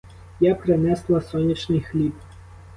Я принесла сонячний хліб.